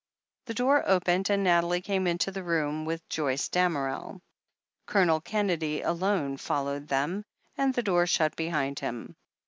The door opened and Nathalie came into the room with Joyce Damerel. Colonel Kennedy, alone, fol lowed them, and the door shut behind him.